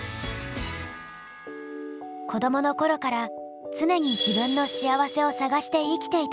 子どもの頃から常に自分の幸せを探して生きていたといいます。